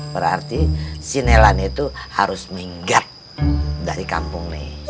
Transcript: berarti si nelan itu harus minggat dari kampung ini